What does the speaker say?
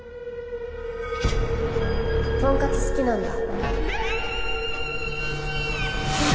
とんかつ好きなんだ。